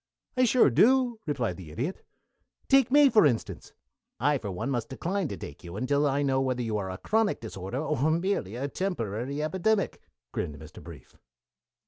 "I sure do," replied the Idiot. "Take me, for instance " "I for one must decline to take you until I know whether you are a chronic disorder, or merely a temporary epidemic," grinned Mr. Brief.